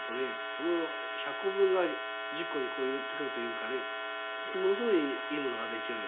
この１００個分が１０個に寄ってくるというかねものすごいいいものが出来る。